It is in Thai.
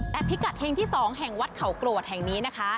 แต่พิกัดเฮงที่๒แห่งวัดเขากรวดแห่งนี้นะคะ